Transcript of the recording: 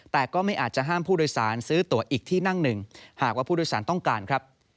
แต่ก็ไม่อาจจะห้ามผู้โดยสารซื้อตัวอีกที่นั่งหนึ่งหากว่าผู้โดยสารต้องการครับ